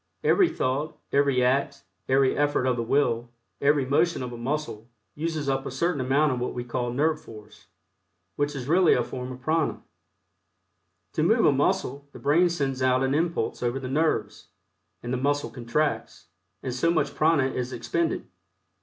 Every thought, every act, every effort of the will, every motion of a muscle, uses up a certain amount of what we call nerve force, which is really a form of prana. To move a muscle the brain sends out an impulse over the nerves, and the muscle contracts, and so much prana is expended.